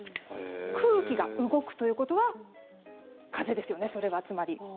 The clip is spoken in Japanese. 空気が動くということは風ですよね、それはつまり。